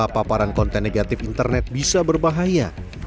paparan konten negatif internet bisa berbahaya